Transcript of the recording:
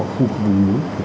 ở khu vực vùng núi